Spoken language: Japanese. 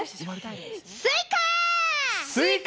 スイカ。